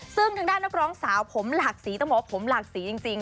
ซึ่งทางด้านนักร้องสาวผมหลากสีต้องบอกว่าผมหลากสีจริง